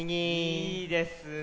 いいですね！